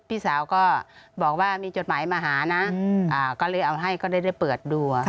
พี่สาวก็บอกว่ามีจดหมายมาหานะก็เลยเอาให้ก็ได้เปิดดู